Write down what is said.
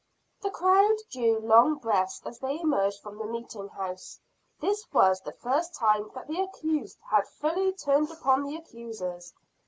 The crowd drew long breaths as they emerged from the meeting house. This was the first time that the accused had fully turned upon the accusers.